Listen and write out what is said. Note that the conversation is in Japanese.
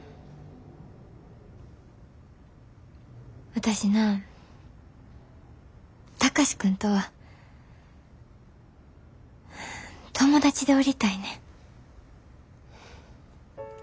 私な貴司君とは友達でおりたいねん。何で？